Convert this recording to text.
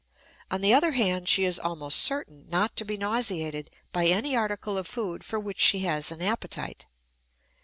On the other hand, she is almost certain not to be nauseated by any article of food for which she has an appetite.